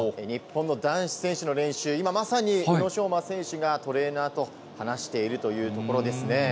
日本の男子選手の練習、今まさに宇野昌磨選手がトレーナーと話しているというところですね。